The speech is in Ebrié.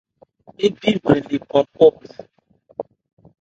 Ńbi nbrɛn le pwa phɔ̂ phú.